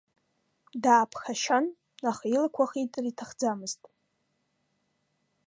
Дааԥшхьан, аха илақәа хитыр иҭахӡамызт.